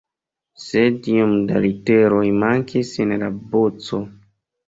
Sed iom da literoj mankis en la aboco.